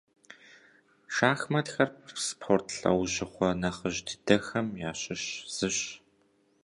Шахматхэр спорт лӏэужьыгъуэ нэхъыжь дыдэхэм ящыщ зыщ.